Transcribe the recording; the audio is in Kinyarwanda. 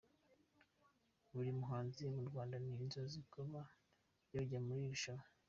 Buri muhanzi mu Rwanda ni inzozi kuba yajya muri iri rushanwa.